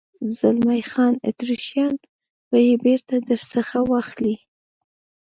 زلمی خان: اتریشیان به یې بېرته در څخه واخلي.